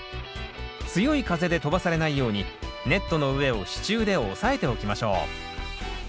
強い風で飛ばされないようにネットの上を支柱で押さえておきましょう。